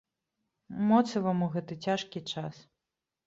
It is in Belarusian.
Моцы вам у гэты цяжкі час.